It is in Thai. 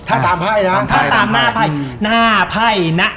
ถ้าตามหน้าไพ่นะ